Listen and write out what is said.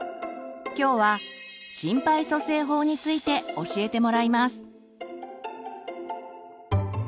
きょうは心肺蘇生法について教えてもらいます。